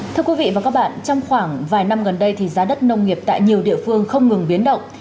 thưa quý vị và các bạn trong khoảng vài năm gần đây thì giá đất nông nghiệp tại nhiều địa phương không ngừng biến động